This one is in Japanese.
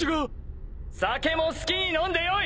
酒も好きに飲んでよい。